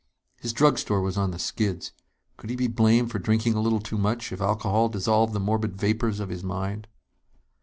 His drug store was on the skids. Could he be blamed for drinking a little too much, if alcohol dissolved the morbid vapors of his mind?